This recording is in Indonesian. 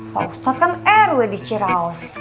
pak ustadz kan rw di ciraos